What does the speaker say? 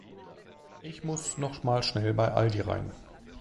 Ich muss noch mal schnell bei Aldi rein.